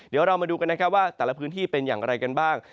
เดี๋ยวเรามาดูกันนะครับว่าแต่ละพื้นที่เป็นอย่างไรกันบ้าง